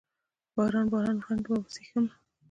باران، باران وړانګې به وچیښمه